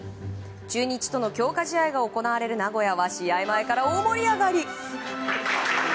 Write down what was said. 中日との強化試合が行われる名古屋は試合前から大盛り上がり。